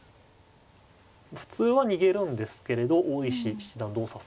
普通は逃げるんですけれど大石七段どう指すか。